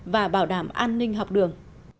và bảo đảm an ninh học đường